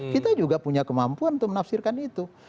kita juga punya kemampuan untuk menafsirkan itu